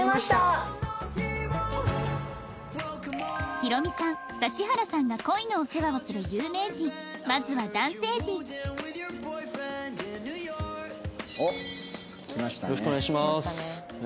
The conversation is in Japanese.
ヒロミさん指原さんが恋のお世話をする有名人まずは男性陣おっ来ましたね。